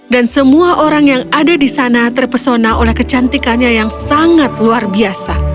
dan semua orang yang ada di sana terpesona oleh kecantikannya yang sangat luar biasa